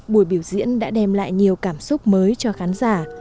buổi biểu diễn đã đem lại nhiều cảm xúc mới cho khán giả